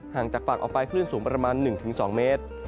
จากฝั่งออกไปคลื่นสูงประมาณ๑๒เมตร